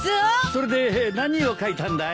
それで何を描いたんだい？